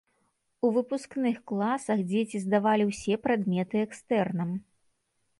У выпускных класах дзеці здавалі ўсе прадметы экстэрнам.